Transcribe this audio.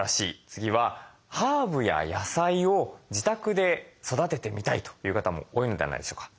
次はハーブや野菜を自宅で育ててみたいという方も多いのではないでしょうか。